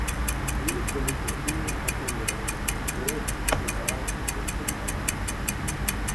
De Fryske literatuer hat ûnder in grut generaasjekonflikt te lijen.